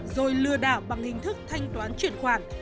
rồi lừa đảo bằng hình thức thanh toán chuyển khoản